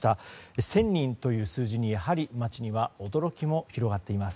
１０００人という数字にやはり街には驚きも広がっています。